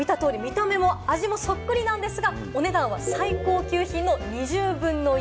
見た通り、見た目も味もそっくりなんですが、お値段は最高級品の２０分の１。